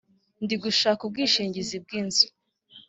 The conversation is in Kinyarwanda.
Ndi Gushaka ubwishingizi bw inzu